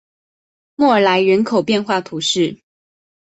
莫尔莱人口变化图示